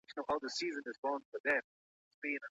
ښه میوه یوازي با استعداده کسانو ته نه سي ورکول کېدلای.